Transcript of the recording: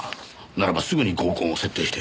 ならばすぐに合コンを設定して。